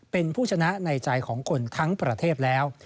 เป็นผู้ชนะในใจของคนทั้งประเทศแล้ว